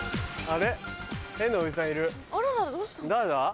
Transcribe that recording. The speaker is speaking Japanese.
あれ？